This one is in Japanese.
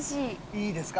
いいですか？